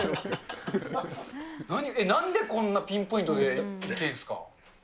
なんでこんなピンポイントでいけるんですか。